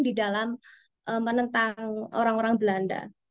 di dalam menentang orang orang belanda